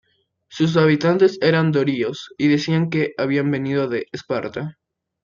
Sus habitantes eran dorios y decían que habían venido de Esparta.